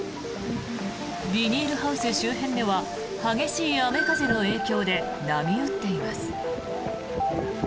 ビニールハウス周辺では激しい雨、風の影響で波打っています。